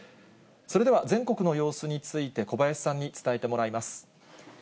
それでは全国の様子について、小林さんに伝えてもらいます。